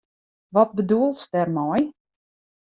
Wat bedoelst dêrmei?